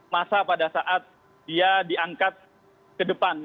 masa pada saat dia diangkat ke depan